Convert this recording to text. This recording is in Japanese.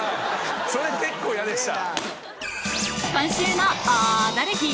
それ結構嫌でした。